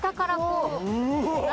うわ！